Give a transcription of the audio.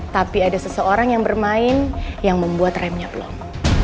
tapi ada seseorang yang bermain yang membuat remnya plong